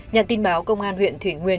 nhận tin báo công an huyện thủy nguyên